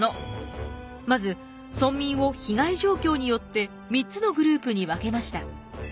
まず村民を被害状況によって３つのグループに分けました。